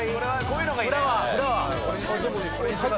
こういうのがいいね。